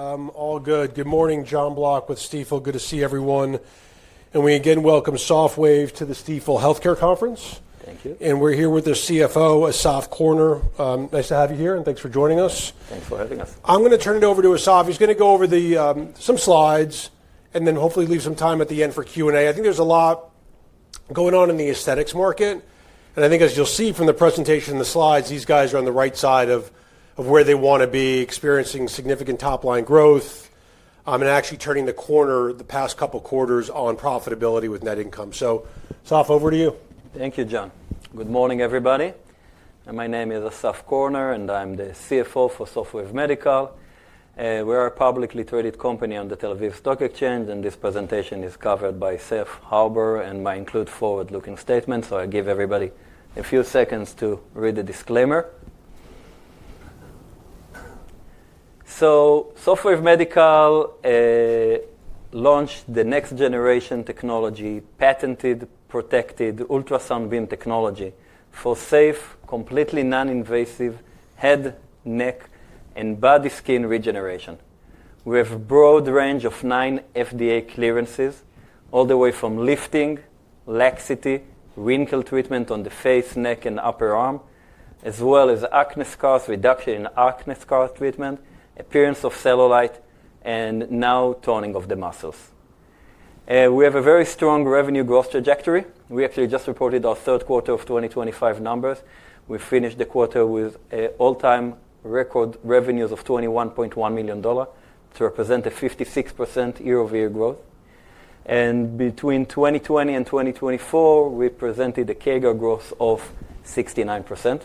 All good. Good morning, John Block with Stifel. Good to see everyone. We again welcome SofWave to the Stifel Healthcare Conference. Thank you. We're here with their CFO, Assaf Korner. Nice to have you here, and thanks for joining us. Thanks for having us. I'm going to turn it over to Assaf. He's going to go over some slides and then hopefully leave some time at the end for Q&A. I think there's a lot going on in the aesthetics market. I think, as you'll see from the presentation and the slides, these guys are on the right side of where they want to be, experiencing significant top-line growth and actually turning the corner the past couple of quarters on profitability with net income. Assaf over to you. Thank you, John. Good morning, everybody. My name is Assaf Korner, and I'm the CFO for SofWave Medical. We are a publicly traded company on the Tel Aviv Stock Exchange, and this presentation is covered by Seth Haber and may include forward-looking statements. I'll give everybody a few seconds to read the disclaimer. SofWave Medical launched the next-generation technology, patented, protected ultrasound beam technology for safe, completely non-invasive head, neck, and body skin regeneration. We have a broad range of nine FDA clearances all the way from lifting, laxity, wrinkle treatment on the face, neck, and upper arm, as well as acne scars, reduction in acne scar treatment, appearance of cellulite, and now toning of the muscles. We have a very strong revenue growth trajectory. We actually just reported our third quarter of 2025 numbers. We finished the quarter with all-time record revenues of $21.1 million to represent a 56% year-over-year growth. Between 2020 and 2024, we presented a CAGR growth of 69%.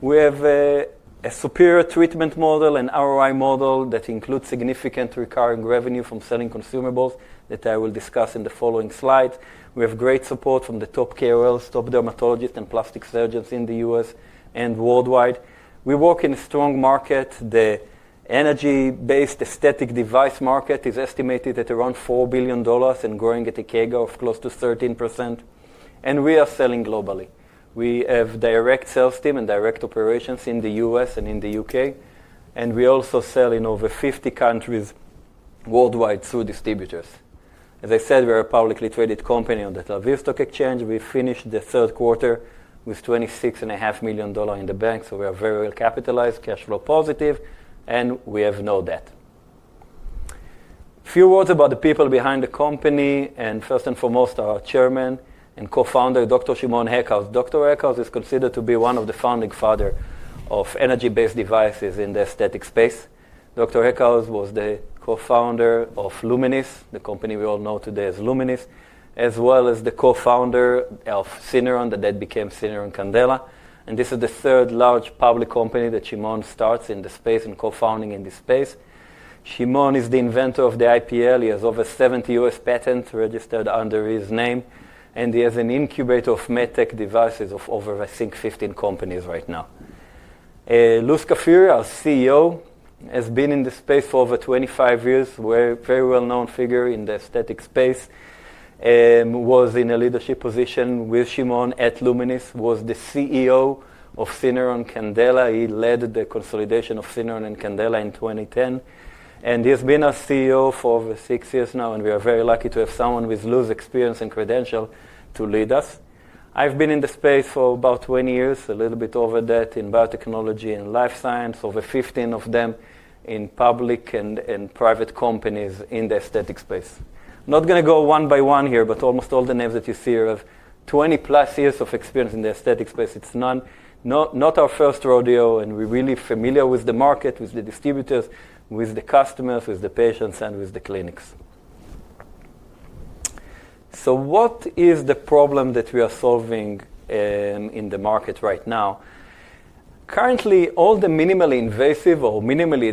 We have a superior treatment model, an ROI model that includes significant recurring revenue from selling consumables that I will discuss in the following slides. We have great support from the top KOLs, top dermatologists, and plastic surgeons in the U.S. and worldwide. We work in a strong market. The energy-based aesthetic device market is estimated at around $4 billion and growing at a CAGR of close to 13%. We are selling globally. We have a direct sales team and direct operations in the U.S. and in the U.K.. We also sell in over 50 countries worldwide through distributors. As I said, we are a publicly traded company on the Tel Aviv Stock Exchange. We finished the third quarter with $26.5 million in the bank. We are very well capitalized, cash flow positive, and we have no debt. A few words about the people behind the company. First and foremost, our Chairman and co-founder, Dr. Shimon Eckhouse. Dr. Eckhouse is considered to be one of the founding fathers of energy-based devices in the aesthetic space. Dr. Eckhouse was the co-founder of Lumenis, the company we all know today as Lumenis, as well as the co-founder of Syneron that then became Syneron Candela. This is the third large public company that Shimon starts in the space and co-founding in this space. Shimon is the inventor of the IPL. He has over 70 US patents registered under his name. He has an incubator of medtech devices of over, I think, 15 companies right now. Lou Scafuri, our CEO, has been in the space for over 25 years, a very well-known figure in the aesthetic space. He was in a leadership position with Shimon at Lumenis. He was the CEO of Syneron Candela. He led the consolidation of Syneron and Candela in 2010. He has been our CEO for over six years now. We are very lucky to have someone with Lou's experience and credential to lead us. I've been in the space for about 20 years, a little bit over that in biotechnology and life science, over 15 of them in public and private companies in the aesthetic space. I'm not going to go one by one here, but almost all the names that you see here have 20-plus years of experience in the aesthetic space. It's not our first rodeo. We are really familiar with the market, with the distributors, with the customers, with the patients, and with the clinics. What is the problem that we are solving in the market right now? Currently, all the minimally invasive or minimally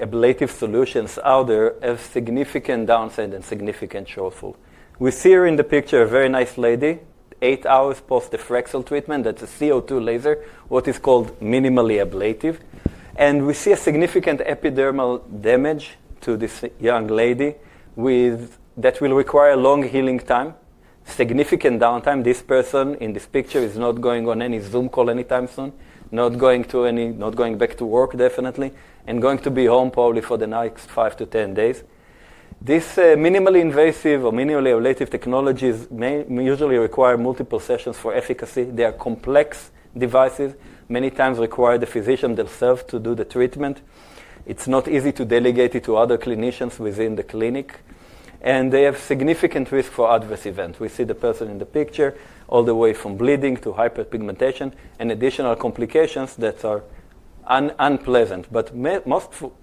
ablative solutions out there have significant downside and significant shortfall. We see here in the picture a very nice lady, eight hours post the Fraxel treatment. That is a CO2 laser, what is called minimally ablative. We see significant epidermal damage to this young lady that will require a long healing time, significant downtime. This person in this picture is not going on any Zoom call anytime soon, not going back to work, definitely, and going to be home probably for the next five to 10 days. These minimally invasive or minimally ablative technologies usually require multiple sessions for efficacy. They are complex devices, many times require the physician themselves to do the treatment. It's not easy to delegate it to other clinicians within the clinic. They have significant risk for adverse events. We see the person in the picture all the way from bleeding to hyperpigmentation and additional complications that are unpleasant. The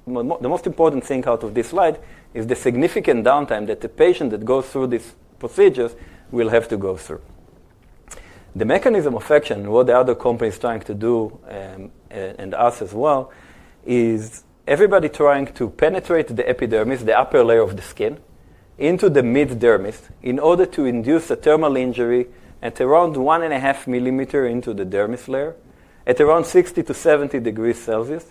most important thing out of this slide is the significant downtime that the patient that goes through these procedures will have to go through. The mechanism of action, what the other company is trying to do, and us as well, is everybody trying to penetrate the epidermis, the upper layer of the skin, into the mid-dermis in order to induce a thermal injury at around 1.5 millimeters into the dermis layer at around 60-70 degrees Celsius.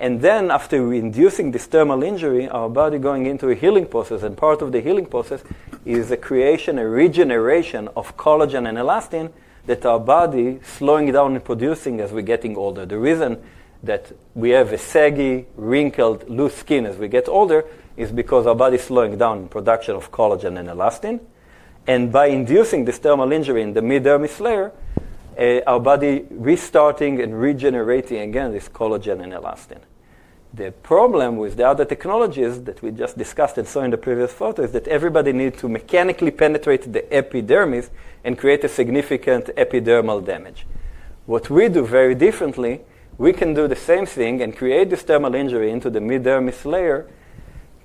After inducing this thermal injury, our body is going into a healing process. Part of the healing process is the creation, a regeneration of collagen and elastin that our body is slowing down in producing as we're getting older. The reason that we have saggy, wrinkled, loose skin as we get older is because our body is slowing down in production of collagen and elastin. By inducing this thermal injury in the mid-dermis layer, our body is restarting and regenerating again this collagen and elastin. The problem with the other technologies that we just discussed and saw in the previous photo is that everybody needs to mechanically penetrate the epidermis and create a significant epidermal damage. What we do very differently, we can do the same thing and create this thermal injury into the mid-dermis layer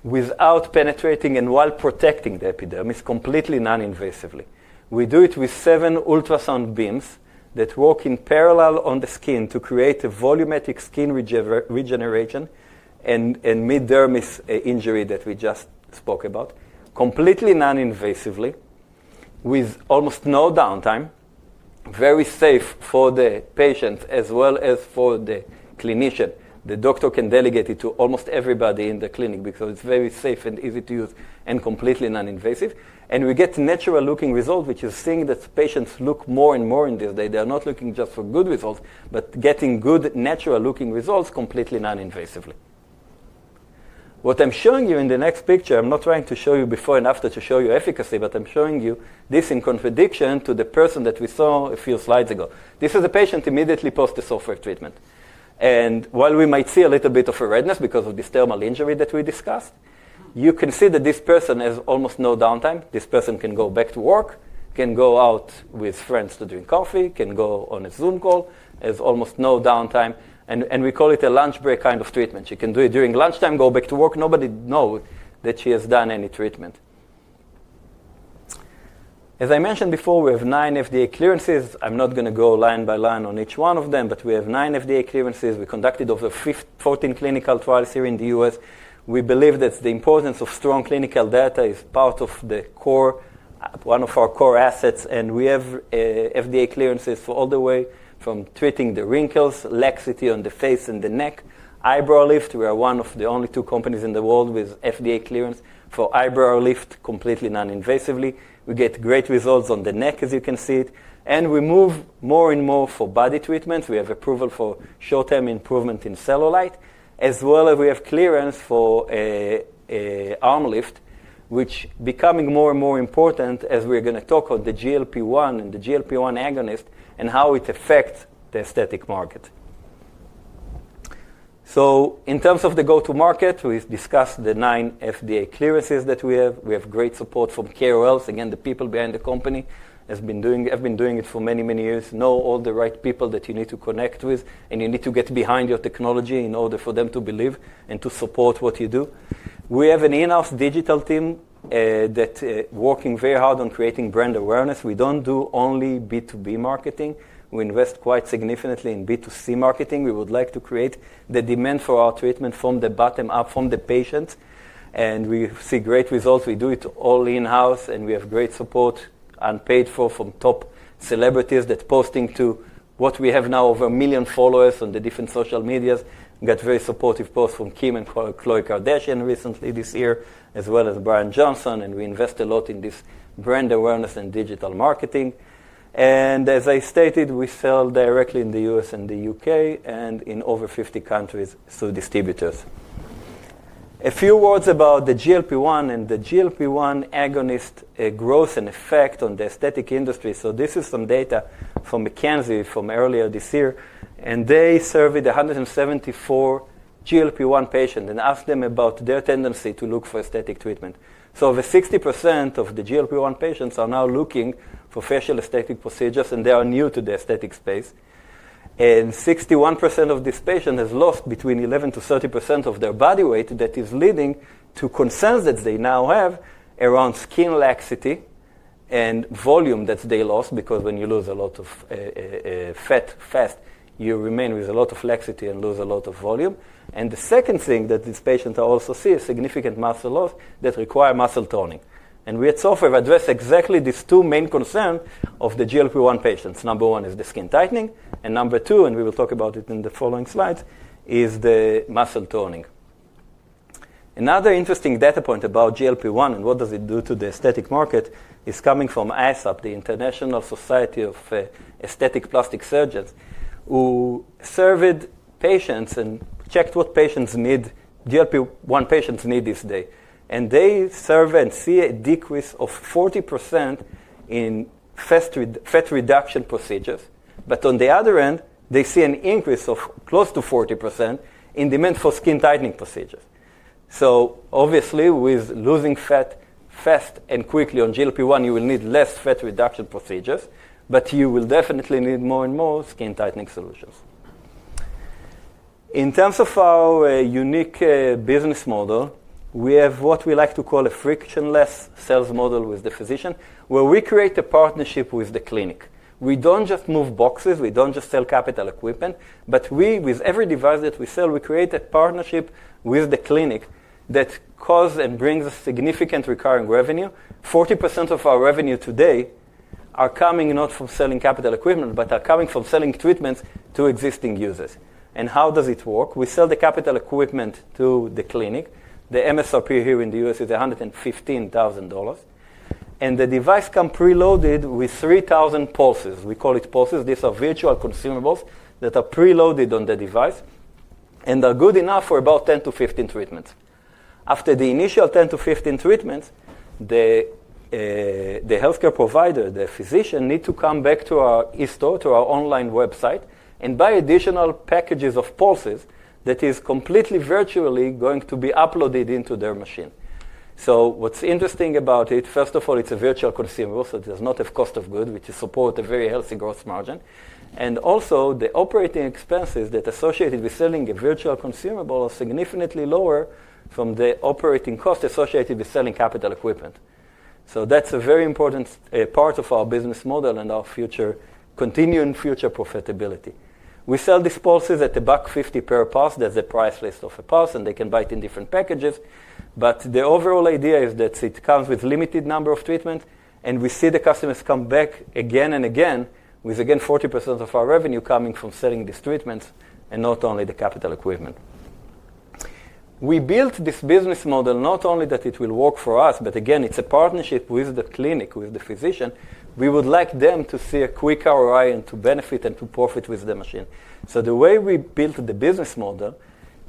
without penetrating and while protecting the epidermis completely non-invasively. We do it with seven ultrasound beams that work in parallel on the skin to create a volumetric skin regeneration and mid-dermis injury that we just spoke about, completely non-invasively with almost no downtime, very safe for the patient as well as for the clinician. The doctor can delegate it to almost everybody in the clinic because it is very safe and easy to use and completely non-invasive. We get natural-looking results, which is something that patients look for more and more these days. They are not looking just for good results, but getting good, natural-looking results completely non-invasively. What I am showing you in the next picture, I am not trying to show you before and after to show you efficacy, but I am showing you this in contradiction to the person that we saw a few slides ago. This is a patient immediately post the SofWave treatment. While we might see a little bit of redness because of this thermal injury that we discussed, you can see that this person has almost no downtime. This person can go back to work, can go out with friends to drink coffee, can go on a Zoom call, has almost no downtime. We call it a lunch break kind of treatment. She can do it during lunchtime, go back to work. Nobody knows that she has done any treatment. As I mentioned before, we have nine FDA clearances. I'm not going to go line by line on each one of them, but we have nine FDA clearances. We conducted over 14 clinical trials here in the U.S. We believe that the importance of strong clinical data is part of one of our core assets. We have FDA clearances for all the way from treating the wrinkles, laxity on the face and the neck, eyebrow lift. We are one of the only two companies in the world with FDA clearance for eyebrow lift completely non-invasively. We get great results on the neck, as you can see it. We move more and more for body treatments. We have approval for short-term improvement in cellulite, as well as we have clearance for arm lift, which is becoming more and more important as we're going to talk on the GLP-1 and the GLP-1 agonist and how it affects the aesthetic market. In terms of the go-to-market, we've discussed the nine FDA clearances that we have. We have great support from KOLs. Again, the people behind the company have been doing it for many, many years, know all the right people that you need to connect with, and you need to get behind your technology in order for them to believe and to support what you do. We have an in-house digital team that is working very hard on creating brand awareness. We do not do only B2B marketing. We invest quite significantly in B2C marketing. We would like to create the demand for our treatment from the bottom up, from the patients. We see great results. We do it all in-house, and we have great support and paid for from top celebrities that are posting to what we have now over a million followers on the different social medias. We got very supportive posts from Kim and Khloé Kardashian recently this year, as well as Brian Johnson. We invest a lot in this brand awareness and digital marketing. As I stated, we sell directly in the U.S. and the U.K. and in over 50 countries through distributors. A few words about the GLP-1 and the GLP-1 agonist growth and effect on the aesthetic industry. This is some data from McKinsey from earlier this year. They surveyed 174 GLP-1 patients and asked them about their tendency to look for aesthetic treatment. Over 60% of the GLP-1 patients are now looking for facial aesthetic procedures, and they are new to the aesthetic space. 61% of these patients have lost between 11%-30% of their body weight. That is leading to concerns that they now have around skin laxity and volume that they lost because when you lose a lot of fat fast, you remain with a lot of laxity and lose a lot of volume. The second thing that these patients also see is significant muscle loss that requires muscle toning. We at SofWave address exactly these two main concerns of the GLP-1 patients. Number one is the skin tightening. Number two, and we will talk about it in the following slides, is the muscle toning. Another interesting data point about GLP-1 and what it does to the aesthetic market is coming from ISAPS, the International Society of Aesthetic Plastic Surgeons, who surveyed patients and checked what patients need, GLP-1 patients need these days. They surveyed and see a decrease of 40% in fat reduction procedures. On the other end, they see an increase of close to 40% in demand for skin tightening procedures. Obviously, with losing fat fast and quickly on GLP-1, you will need less fat reduction procedures, but you will definitely need more and more skin tightening solutions. In terms of our unique business model, we have what we like to call a frictionless sales model with the physician, where we create a partnership with the clinic. We do not just move boxes. We do not just sell capital equipment. With every device that we sell, we create a partnership with the clinic that causes and brings us significant recurring revenue. 40% of our revenue today is coming not from selling capital equipment, but is coming from selling treatments to existing users. How does it work? We sell the capital equipment to the clinic. The MSRP here in the U.S. is $115,000. The device comes preloaded with 3,000 pulses. We call it pulses. These are virtual consumables that are preloaded on the device and are good enough for about 10-15 treatments. After the initial 10-15 treatments, the health care provider, the physician, needs to come back to our e-store, to our online website, and buy additional packages of pulses that are completely virtually going to be uploaded into their machine. What's interesting about it, first of all, it's a virtual consumable, so it does not have cost of goods, which supports a very healthy gross margin. Also, the operating expenses associated with selling a virtual consumable are significantly lower from the operating cost associated with selling capital equipment. That's a very important part of our business model and our continuing future profitability. We sell these pulses at about $50 per pulse. That's the price list of a pulse. They can buy it in different packages. The overall idea is that it comes with a limited number of treatments. We see the customers come back again and again with, again, 40% of our revenue coming from selling these treatments and not only the capital equipment. We built this business model not only that it will work for us, but again, it's a partnership with the clinic, with the physician. We would like them to see a quick ROI and to benefit and to profit with the machine. The way we built the business model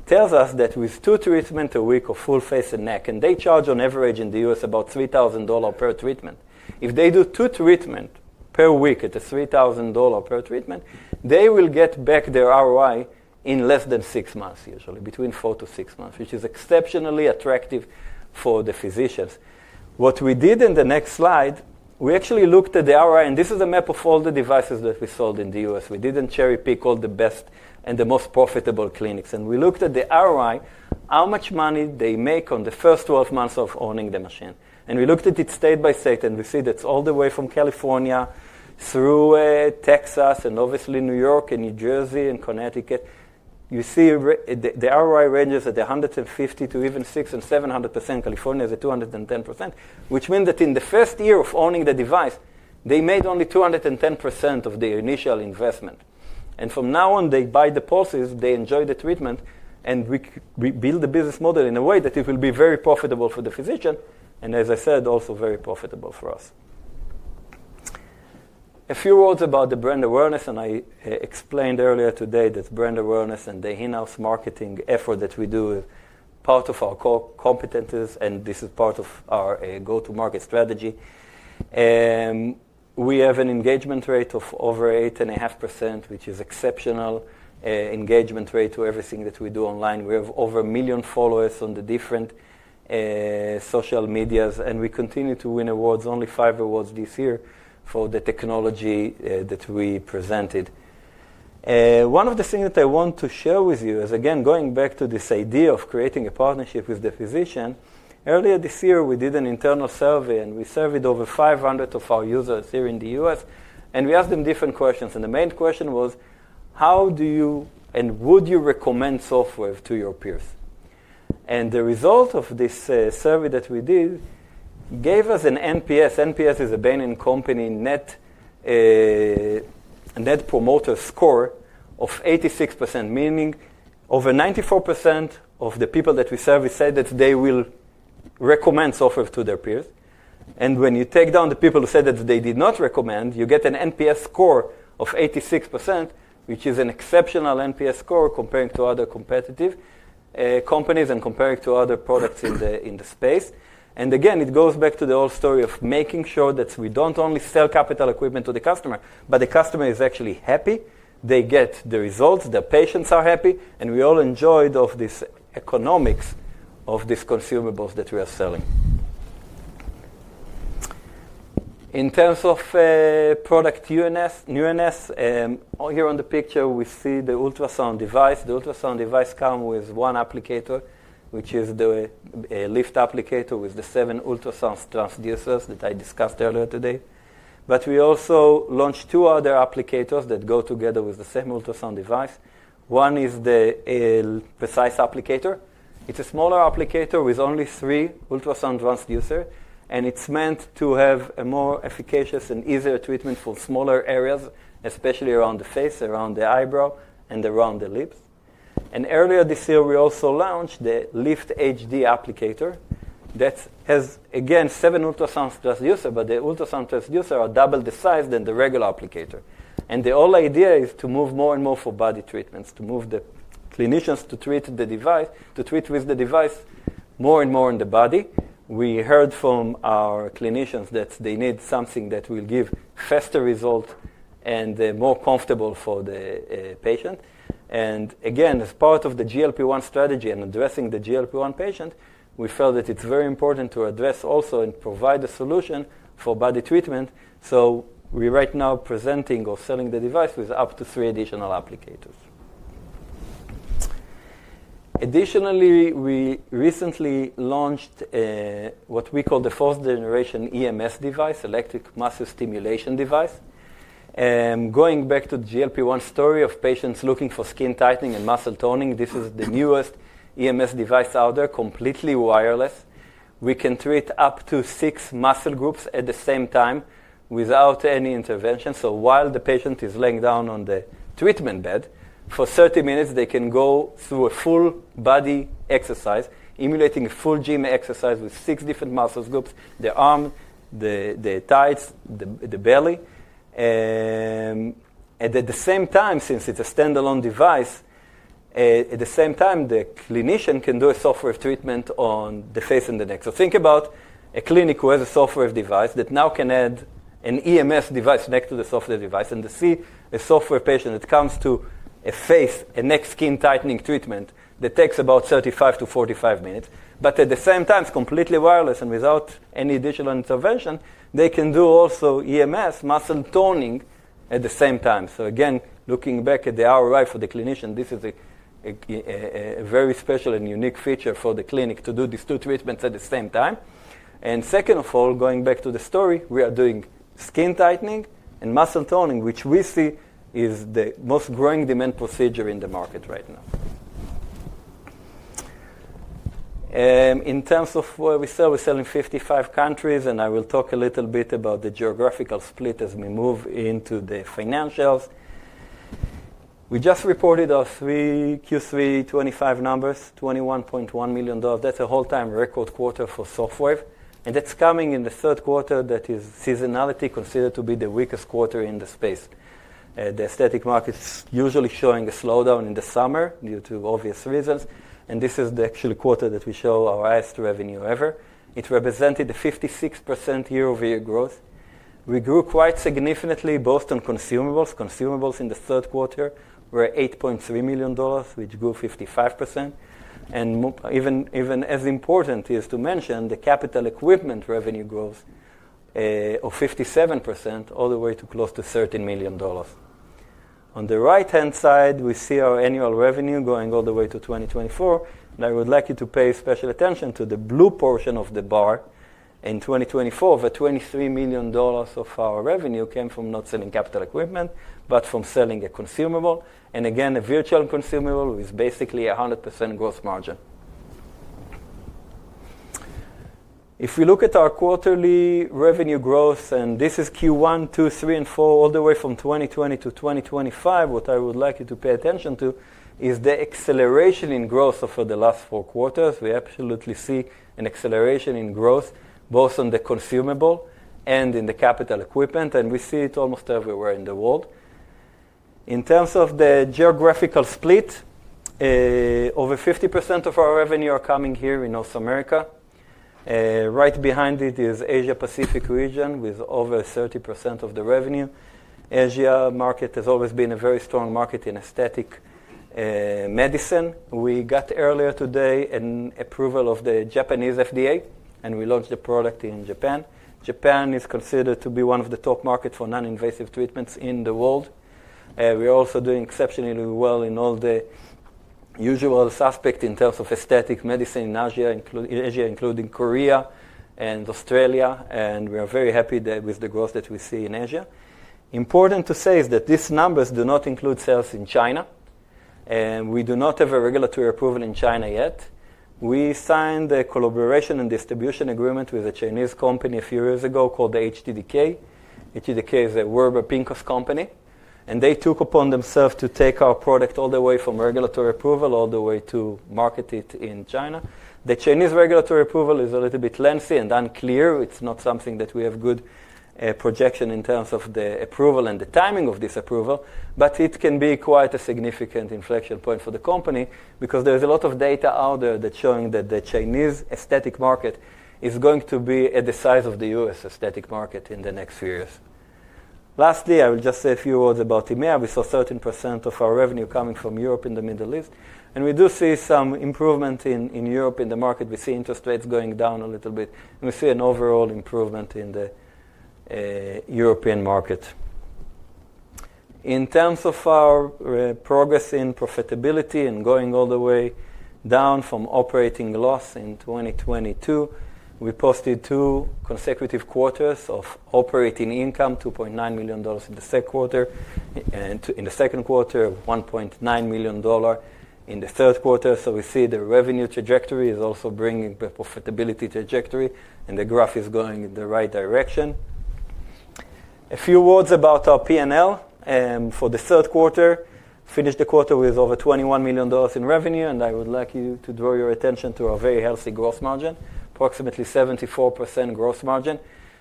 tells us that with two treatments a week of full face and neck, and they charge on average in the U.S. about $3,000 per treatment. If they do two treatments per week at $3,000 per treatment, they will get back their ROI in less than six months, usually between four to six months, which is exceptionally attractive for the physicians. What we did in the next slide, we actually looked at the ROI, and this is a map of all the devices that we sold in the U.S. We did not cherry-pick all the best and the most profitable clinics. We looked at the ROI, how much money they make on the first 12 months of owning the machine. We looked at it state by state, and we see that all the way from California through Texas and obviously New York and New Jersey and Connecticut, you see the ROI ranges at 150% to even 6% and 700%. California is at 210%, which means that in the first year of owning the device, they made only 210% of their initial investment. From now on, they buy the pulses, they enjoy the treatment, and we build the business model in a way that it will be very profitable for the physician and, as I said, also very profitable for us. A few words about the brand awareness. I explained earlier today that brand awareness and the in-house marketing effort that we do is part of our competencies, and this is part of our go-to-market strategy. We have an engagement rate of over 8.5%, which is an exceptional engagement rate to everything that we do online. We have over a million followers on the different social medias, and we continue to win awards, only five awards this year for the technology that we presented. One of the things that I want to share with you is, again, going back to this idea of creating a partnership with the physician. Earlier this year, we did an internal survey, and we surveyed over 500 of our users here in the U.S. We asked them different questions. The main question was, how do you and would you recommend SofWave to your peers? The result of this survey that we did gave us an NPS. NPS is a Net Promoter Score of 86%, meaning over 94% of the people that we surveyed said that they will recommend SofWave to their peers. When you take down the people who said that they did not recommend, you get an NPS score of 86%, which is an exceptional NPS score compared to other competitive companies and compared to other products in the space. It goes back to the whole story of making sure that we do not only sell capital equipment to the customer, but the customer is actually happy. They get the results. The patients are happy. We all enjoy these economics of these consumables that we are selling. In terms of product newness, here on the picture, we see the ultrasound device. The ultrasound device comes with one applicator, which is the Lift Applicator with the seven ultrasound transducers that I discussed earlier today. We also launched two other applicators that go together with the same ultrasound device. One is the Precise Applicator. It is a smaller applicator with only three ultrasound transducers. It is meant to have a more efficacious and easier treatment for smaller areas, especially around the face, around the eyebrow, and around the lips. Earlier this year, we also launched the Lift HD applicator that has, again, seven ultrasound transducers, but the ultrasound transducers are double the size than the regular applicator. The whole idea is to move more and more for body treatments, to move the clinicians to treat with the device more and more in the body. We heard from our clinicians that they need something that will give faster results and more comfortable for the patient. Again, as part of the GLP-1 strategy and addressing the GLP-1 patient, we felt that it's very important to address also and provide a solution for body treatment. We are right now presenting or selling the device with up to three additional applicators. Additionally, we recently launched what we call the fourth-generation EMS device, Electric Muscle Stimulation Device. Going back to the GLP-1 story of patients looking for skin tightening and muscle toning, this is the newest EMS device out there, completely wireless. We can treat up to six muscle groups at the same time without any intervention. While the patient is laying down on the treatment bed for 30 minutes, they can go through a full body exercise, emulating a full gym exercise with six different muscle groups: the arm, the thighs, the belly. At the same time, since it's a standalone device, the clinician can do a SofWave treatment on the face and the neck. Think about a clinic who has a SofWave device that now can add an EMS device next to the SofWave device. To see a SofWave patient that comes to a face and neck skin tightening treatment, that takes about 35-45 minutes. At the same time, it's completely wireless and without any additional intervention. They can do also EMS muscle toning at the same time. Again, looking back at the ROI for the clinician, this is a very special and unique feature for the clinic to do these two treatments at the same time. Second of all, going back to the story, we are doing skin tightening and muscle toning, which we see is the most growing demand procedure in the market right now. In terms of where we sell, we're selling in 55 countries. I will talk a little bit about the geographical split as we move into the financials. We just reported our Q3 2025 numbers, $21.1 million. That's a whole-time record quarter for SofWave. It's coming in the third quarter that is seasonality, considered to be the weakest quarter in the space. The aesthetic market is usually showing a slowdown in the summer due to obvious reasons. This is actually the quarter that we show our highest revenue ever. It represented a 56% year-over-year growth. We grew quite significantly both on consumables. Consumables in the third quarter were $8.3 million, which grew 55%. Even as important is to mention the capital equipment revenue growth of 57%, all the way to close to $13 million. On the right-hand side, we see our annual revenue going all the way to 2024. I would like you to pay special attention to the blue portion of the bar. In 2024, over $23 million of our revenue came from not selling capital equipment, but from selling a consumable, and again, a virtual consumable with basically a 100% gross margin. If we look at our quarterly revenue growth, and this is Q1, Q2, Q3, and Q4, all the way from 2020 to 2025, what I would like you to pay attention to is the acceleration in growth over the last four quarters. We absolutely see an acceleration in growth both on the consumable and in the capital equipment. We see it almost everywhere in the world. In terms of the geographical split, over 50% of our revenue is coming here in North America. Right behind it is the Asia-Pacific region with over 30% of the revenue. The Asia market has always been a very strong market in aesthetic medicine. We got earlier today an approval of the Japanese FDA, and we launched a product in Japan. Japan is considered to be one of the top markets for non-invasive treatments in the world. We are also doing exceptionally well in all the usual suspects in terms of aesthetic medicine in Asia, including Korea and Australia. We are very happy with the growth that we see in Asia. Important to say is that these numbers do not include sales in China. We do not have a regulatory approval in China yet. We signed a collaboration and distribution agreement with a Chinese company a few years ago called HDDK. HDDK is a Werber Pinkus company. They took upon themselves to take our product all the way from regulatory approval all the way to market it in China. The Chinese regulatory approval is a little bit lengthy and unclear. It is not something that we have good projection in terms of the approval and the timing of this approval. It can be quite a significant inflection point for the company because there is a lot of data out there that's showing that the Chinese aesthetic market is going to be at the size of the U.S. aesthetic market in the next few years. Lastly, I will just say a few words about EMEA. We saw 13% of our revenue coming from Europe and the Middle East. We do see some improvement in Europe in the market. We see interest rates going down a little bit. We see an overall improvement in the European market. In terms of our progress in profitability and going all the way down from operating loss in 2022, we posted two consecutive quarters of operating income, $2.9 million in the second quarter, and $1.9 million in the third quarter. We see the revenue trajectory is also bringing the profitability trajectory. The graph is going in the right direction. A few words about our P&L for the third quarter. We finished the quarter with over $21 million in revenue. I would like you to draw your attention to our very healthy gross margin, approximately 74% gross margin.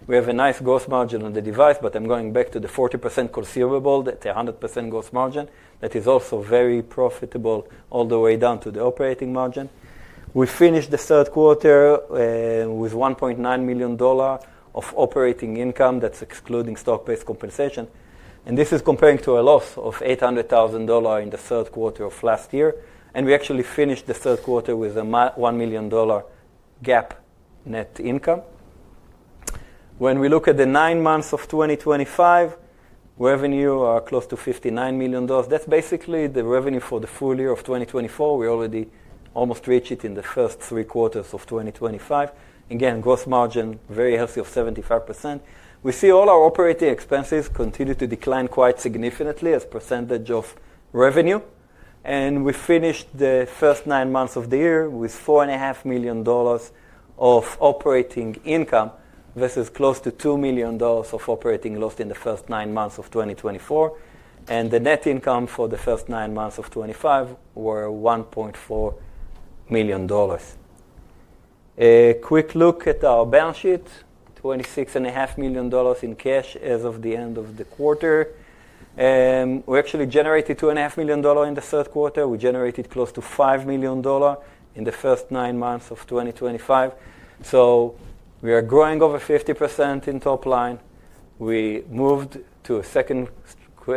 We have a nice gross margin on the device. I am going back to the 40% consumable, that is a 100% gross margin. That is also very profitable all the way down to the operating margin. We finished the third quarter with $1.9 million of operating income. That is excluding stock-based compensation. This is comparing to a loss of $800,000 in the third quarter of last year. We actually finished the third quarter with a $1 million GAAP net income. When we look at the nine months of 2025, revenues are close to $59 million. That's basically the revenue for the full year of 2024. We already almost reached it in the first three quarters of 2025. Again, gross margin very healthy of 75%. We see all our operating expenses continue to decline quite significantly as a percentage of revenue. We finished the first nine months of the year with $4.5 million of operating income versus close to $2 million of operating loss in the first nine months of 2024. The net income for the first nine months of 2025 was $1.4 million. A quick look at our balance sheet: $26.5 million in cash as of the end of the quarter. We actually generated $2.5 million in the third quarter. We generated close to $5 million in the first nine months of 2025. We are growing over 50% in top line. We moved to a second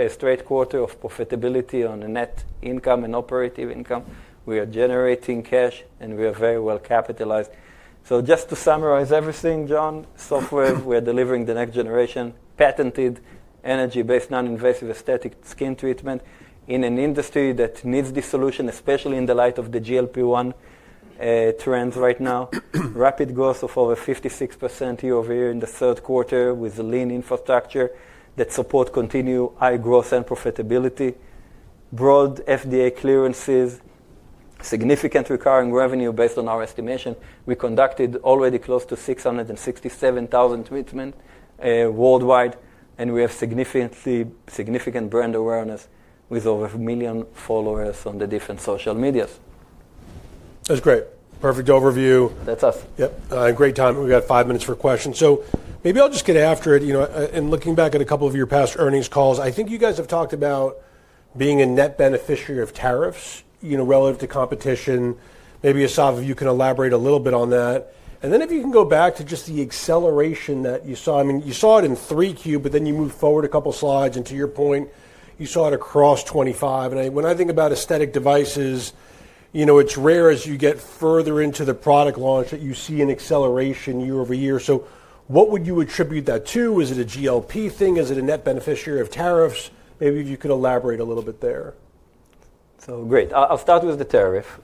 straight quarter of profitability on the net income and operating income. We are generating cash, and we are very well capitalized. Just to summarize everything, John, SofWave, we are delivering the next generation patented energy-based non-invasive aesthetic skin treatment in an industry that needs this solution, especially in the light of the GLP-1 trends right now. Rapid growth of over 56% year over year in the third quarter with the lean infrastructure that supports continued high growth and profitability, broad FDA clearances, significant recurring revenue based on our estimation. We conducted already close to 667,000 treatments worldwide. We have significant brand awareness with over a million followers on the different social media. That's great. Perfect overview. That's us. Yep. Great time. We've got five minutes for questions. Maybe I'll just get after it. Looking back at a couple of your past earnings calls, I think you guys have talked about being a net beneficiary of tariffs relative to competition. Maybe, Assaf, if you can elaborate a little bit on that. If you can go back to just the acceleration that you saw. I mean, you saw it in Q3, but then you moved forward a couple of slides. To your point, you saw it across 2025. When I think about aesthetic devices, it's rare as you get further into the product launch that you see an acceleration year over year. What would you attribute that to? Is it a GLP-1 thing? Is it a net beneficiary of tariffs? Maybe if you could elaborate a little bit there. Great. I'll start with the tariff.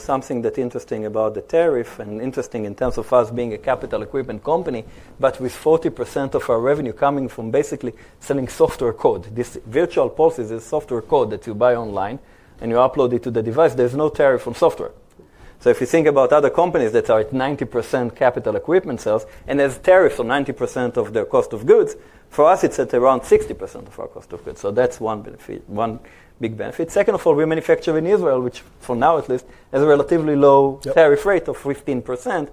Something that's interesting about the tariff, and interesting in terms of us being a capital equipment company, but with 40% of our revenue coming from basically selling software code. This virtual pulse is a software code that you buy online, and you upload it to the device. There's no tariff on software. If you think about other companies that are at 90% capital equipment sales, and there's tariffs on 90% of their cost of goods, for us, it's at around 60% of our cost of goods. That's one big benefit. Second of all, we manufacture in Israel, which for now at least has a relatively low tariff rate of 15%.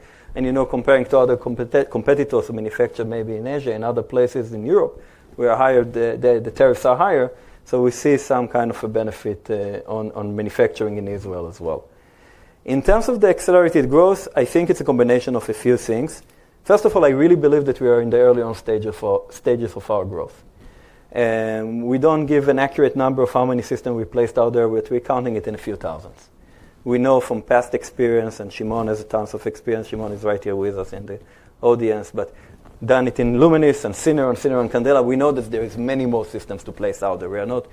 Comparing to other competitors who manufacture maybe in Asia and other places in Europe, we are higher, the tariffs are higher. We see some kind of a benefit on manufacturing in Israel as well. In terms of the accelerated growth, I think it's a combination of a few things. First of all, I really believe that we are in the early on stages of our growth. We don't give an accurate number of how many systems we placed out there, but we're counting it in a few thousands. We know from past experience, and Shimon has tons of experience. Shimon is right here with us in the audience. Danny in Lumenis and Syneron and Candela, we know that there are many more systems to place out there. We are not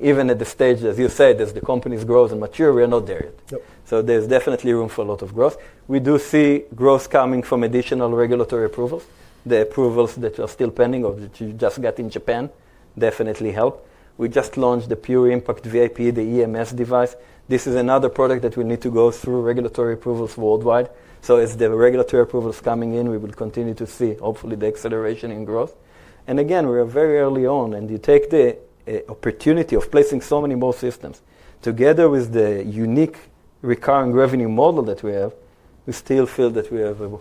even at the stage, as you said, as the companies grow and mature, we are not there yet. There's definitely room for a lot of growth. We do see growth coming from additional regulatory approvals. The approvals that are still pending or that you just got in Japan definitely help. We just launched the Pure Impact, the EMS device. This is another product that will need to go through regulatory approvals worldwide. As the regulatory approvals are coming in, we will continue to see, hopefully, the acceleration in growth. Again, we are very early on. You take the opportunity of placing so many more systems together with the unique recurring revenue model that we have, we still feel that we have a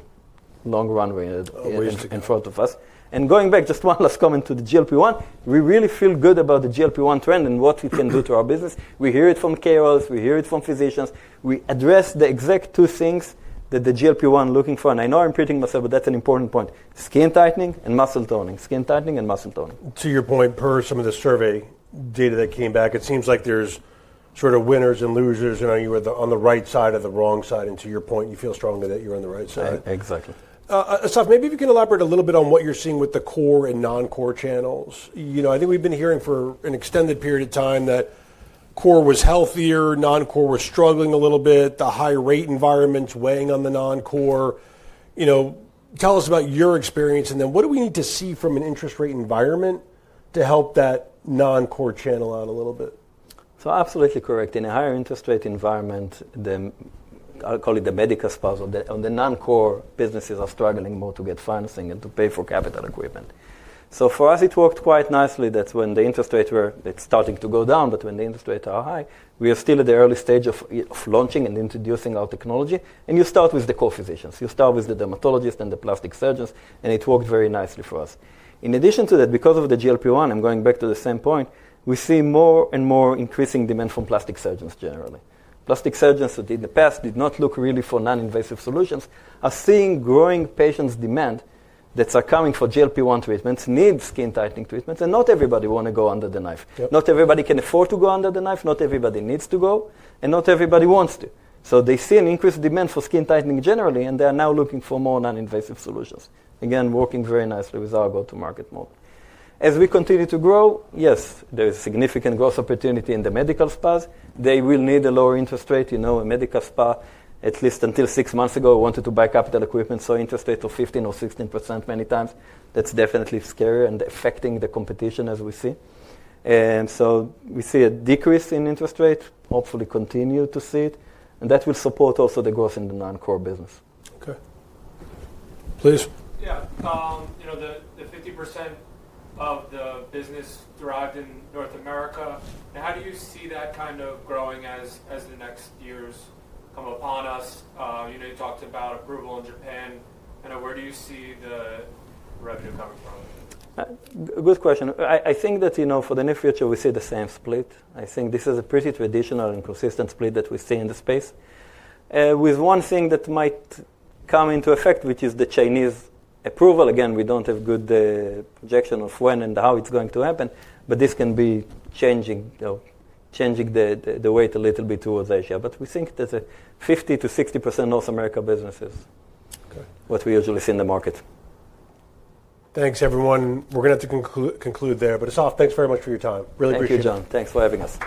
long runway in front of us. Going back, just one last comment to the GLP-1. We really feel good about the GLP-1 trend and what it can do to our business. We hear it from carers. We hear it from physicians. We address the exact two things that the GLP-1 is looking for. I know I'm repeating myself, but that's an important point: skin tightening and muscle toning, skin tightening and muscle toning. To your point, per some of the survey data that came back, it seems like there's sort of winners and losers. You were on the right side or the wrong side. To your point, you feel strongly that you're on the right side. Exactly. Assaf, maybe if you can elaborate a little bit on what you're seeing with the core and non-core channels. I think we've been hearing for an extended period of time that core was healthier, non-core was struggling a little bit, the high-rate environment weighing on the non-core. Tell us about your experience. What do we need to see from an interest rate environment to help that non-core channel out a little bit? Absolutely correct. In a higher interest rate environment, I'll call it the Medicare spouse, the non-core businesses are struggling more to get financing and to pay for capital equipment. For us, it worked quite nicely that when the interest rates were starting to go down, but when the interest rates are high, we are still at the early stage of launching and introducing our technology. You start with the core physicians. You start with the dermatologists and the plastic surgeons. It worked very nicely for us. In addition to that, because of the GLP-1, I'm going back to the same point, we see more and more increasing demand from plastic surgeons generally. Plastic surgeons who in the past did not look really for non-invasive solutions are seeing growing patients' demand that are coming for GLP-1 treatments, need skin tightening treatments. Not everybody wants to go under the knife. Not everybody can afford to go under the knife. Not everybody needs to go. Not everybody wants to. They see an increased demand for skin tightening generally. They are now looking for more non-invasive solutions, again, working very nicely with our go-to-market model. As we continue to grow, yes, there is significant growth opportunity in the medical spas. They will need a lower interest rate. You know, a medical spa, at least until six months ago, wanted to buy capital equipment. Interest rates of 15% or 16% many times, that's definitely scary and affecting the competition as we see. We see a decrease in interest rates, hopefully continue to see it. That will support also the growth in the non-core business. OK. Please. Yeah. The 50% of the business derived in North America, how do you see that kind of growing as the next years come upon us? You talked about approval in Japan. Where do you see the revenue coming from? Good question. I think that for the near future, we see the same split. I think this is a pretty traditional and consistent split that we see in the space. With one thing that might come into effect, which is the Chinese approval. Again, we do not have a good projection of when and how it is going to happen. This can be changing the weight a little bit towards Asia. We think that the 50%-60% North America business is what we usually see in the market. Thanks, everyone. We're going to have to conclude there. But Assaf, thanks very much for your time. Really appreciate it. Thank you, John. Thanks for having us.